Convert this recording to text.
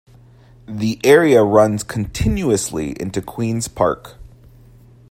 The area runs continuously into Queens Park.